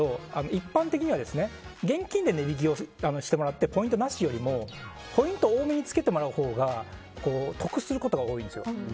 一般的には現金で値引きをしてもらってポイントなしよりもポイント多めにつけてもらうほうが得することが多いんですよ。